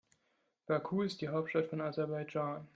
Baku ist die Hauptstadt von Aserbaidschan.